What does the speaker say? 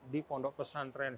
di pondok pesantren